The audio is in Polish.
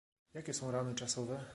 Jakie są ramy czasowe?